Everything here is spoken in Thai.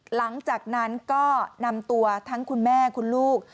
หลังจากนั้นก็นำตัวทั้งคุณแม่คุณลูก